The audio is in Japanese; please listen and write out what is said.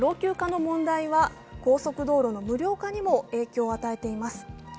老朽化の問題は高速道路の無料化にも影響を与えています。